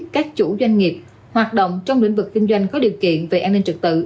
các chủ doanh nghiệp hoạt động trong lĩnh vực kinh doanh có điều kiện về an ninh trực tự